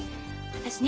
私ね